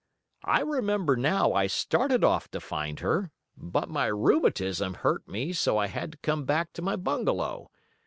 "I remember now I started off to find her, but my rheumatism hurt me so I had to come back to my bungalow.